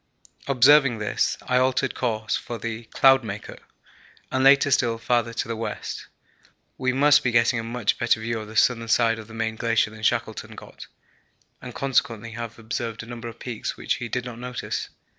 Observing this, I altered course for the 'Cloudmaker' and later still farther to the west. We must be getting a much better view of the southern side of the main glacier than Shackleton got, and consequently have observed a number of peaks which he did not notice.